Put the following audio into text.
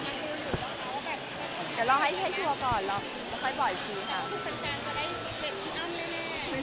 เดี๋ยวเราให้ให้ชัวร์ก่อนเราเราค่อยบอกอีกทีค่ะ